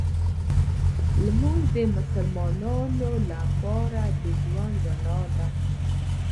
لمونځ د مسلمان لپاره د ژوند رڼا ده